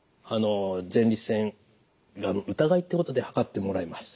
前立腺がん疑いってことで測ってもらえます。